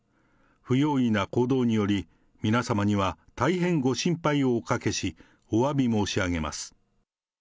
不用意な行動により、皆様には大変ご心配をおかけし、おわび申し上げます。